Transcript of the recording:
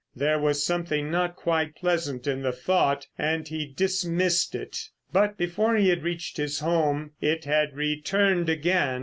There was something not quite pleasant in the thought, and he dismissed it. But before he had reached his home it had returned again.